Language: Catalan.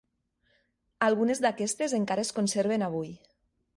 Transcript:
Algunes d'aquestes encara es conserven avui.